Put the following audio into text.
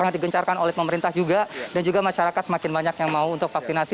sangat digencarkan oleh pemerintah juga dan juga masyarakat semakin banyak yang mau untuk vaksinasi